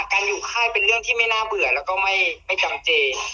อยู่ค่ายเป็นเรื่องที่ไม่น่าเบื่อแล้วก็ไม่จำเจ